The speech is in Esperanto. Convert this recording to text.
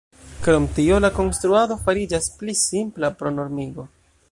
Krom tio la konstruado fariĝas pli simpla pro normigo.